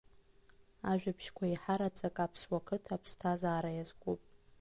Ажәабжьқәа еиҳараӡак аԥсуа қыҭа аԥсҭазаара иазкуп.